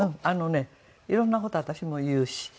あのねいろんな事私も言うし。